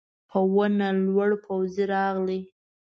په ونه لوړ پوځي راغی.